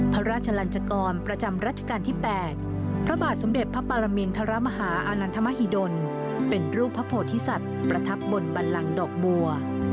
พระราชลันจกรประจำรัชกาลที่๘พระบาทสมเด็จพระปรมินทรมาฮาอานันทมหิดลเป็นรูปพระโพธิสัตว์ประทับบนบันลังดอกบัว